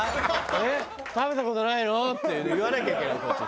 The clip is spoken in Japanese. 「えっ食べた事ないの？」って言わなきゃいけないこっち。